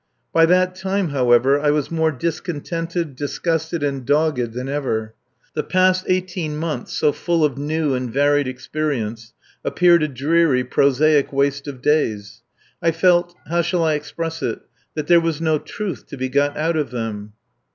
By that time, however, I was more discontented, disgusted, and dogged than ever. The past eighteen months, so full of new and varied experience, appeared a dreary, prosaic waste of days. I felt how shall I express it? that there was no truth to be got out of them.